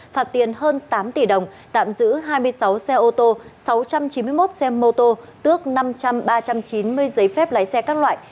phạt tiền hơn tám tỷ đồng tạm giữ hai mươi sáu xe ô tô sáu trăm chín mươi một xe mô tô tước năm trăm ba trăm chín mươi giấy phép lái xe các loại